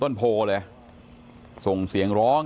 ฐานพระพุทธรูปทองคำ